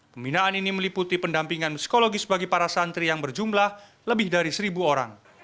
pembinaan ini meliputi pendampingan psikologis bagi para santri yang berjumlah lebih dari seribu orang